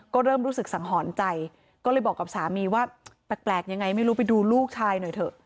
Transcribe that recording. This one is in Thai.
ก็เริ่มรู้สึกสังหรณ์ใจก็เลยบอกกับสามีว่าแปลกยังไงไม่รู้ไปดูลูกชายหน่อยเถอะ